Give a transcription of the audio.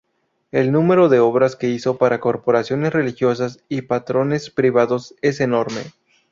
El número de obras que hizo para corporaciones religiosas y patrones privados es enorme.